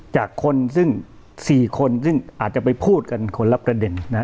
จากคนซึ่ง๔คนซึ่งอาจจะไปพูดกันคนละประเด็น